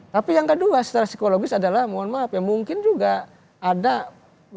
tapi yang kedua secara psikologis adalah mohon maaf ya mungkin juga ada